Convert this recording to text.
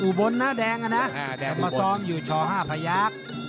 อุบลนะแดงอ่ะนะมาซ้อมอยู่ช้อ๕พระยักษ์